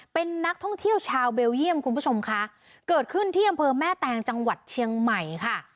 เป็นนักท่องเที่ยวชาวเบลเยี่ยมคุณผู้ชมค่ะเกิดขึ้นที่อำเภอแม่แตงจังหวัดเชียงใหม่ค่ะ